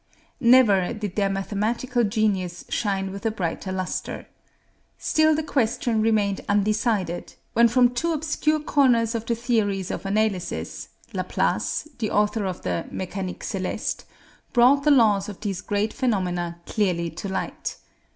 Never did their mathematical genius shine with a brighter lustre. Still the question remained undecided, when from two obscure corners of the theories of analysis, Laplace, the author of the 'Mécanique Céleste,' brought the laws of these great phenomena clearly to light.